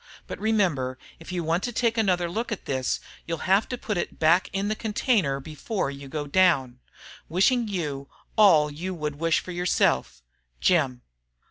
But remember, if you want to take another look at this, you'll have to put it back in the container before you go "down." Wishing you all you would wish for yourself, Jim.